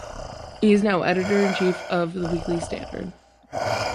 He is now Editor in chief of "The Weekly Standard".